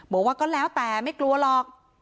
บอกว่าก็แล้วแต่ไม่กลัวหรอก